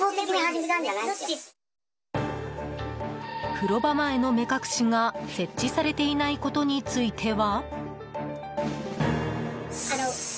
風呂場前の目隠しが設置されていないことについては。